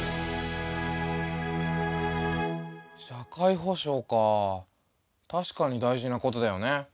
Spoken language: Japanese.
社会保障か確かに大事なことだよね。